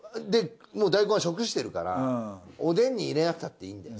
もう大根は食してるからおでんに入れなくたっていいんだよ。